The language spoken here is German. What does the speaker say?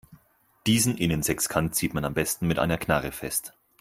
Diesen Innensechskant zieht man am besten mit einer Knarre fest.